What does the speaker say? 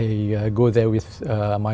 tôi có thể nhìn thấy